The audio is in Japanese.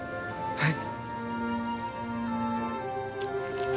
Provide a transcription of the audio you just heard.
はい。